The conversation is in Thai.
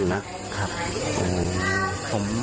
หนักอยู่นะ